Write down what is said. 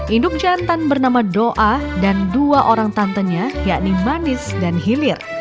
induk jantan bernama doa dan dua orang tantenya yakni manis dan hilir